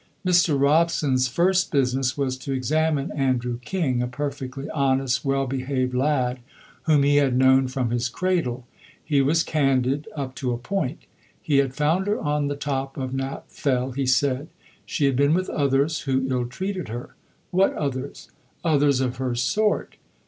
Mr. Robson's first business was to examine Andrew King, a perfectly honest, well behaved lad, whom he had known from his cradle. He was candid up to a point. He had found her on the top of Knapp Fell, he said; she had been with others, who ill treated her. What others? Others of her sort.